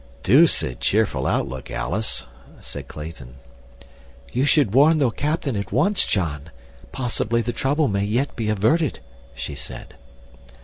"Deuced cheerful outlook, Alice," said Clayton. "You should warn the captain at once, John. Possibly the trouble may yet be averted," she said.